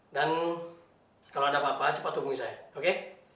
dan kalau ada apa apa cepat hubungi saya oke